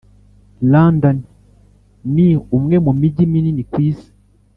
london ni umwe mu mijyi minini ku isi.